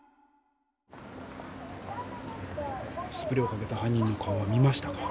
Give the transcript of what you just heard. スプレーをかけた犯人の顔は見ましたか？